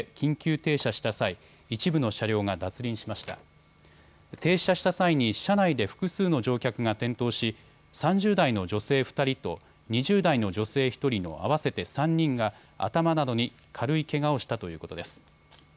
停車した際に車内で複数の乗客が転倒し、３０代の女性２人と２０代の女性１人の合わせて３人が頭などに軽いけがをしたということです。